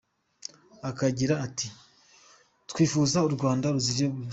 Akagira ati twifuza u Rwanda ruzira Bessigge.